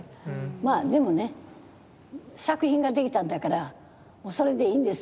まあでもね作品が出来たんだからもうそれでいいんです